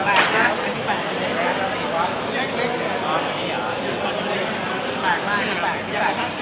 พร้อมให้เดิมที่ใหญ่